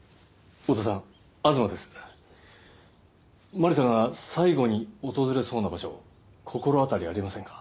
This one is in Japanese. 真理さんが最後に訪れそうな場所心当たりありませんか？